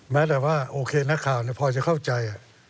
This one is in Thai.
แม้ว่าโอเคหน้าข่าวนี่พอจะเข้าใจ